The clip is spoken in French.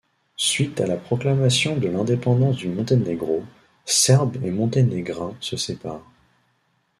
Suite à la proclamation de l'indépendance du Monténégro, Serbes et Monténégrins se séparent.